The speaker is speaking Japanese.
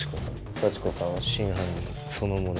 佐智子さんは真犯人そのもの。